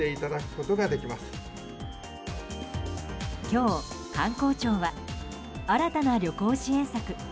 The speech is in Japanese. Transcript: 今日、観光庁は新たな旅行支援策